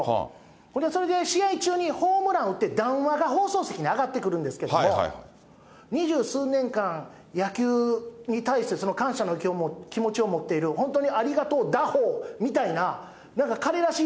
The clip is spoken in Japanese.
ほんで、それで試合中にホームラン打って、談話が放送席に上がってくるんですけれども、二十数年間、野球に対して感謝の気持ちを持っている、本当にありがとう打法みたいな、なんか彼らしい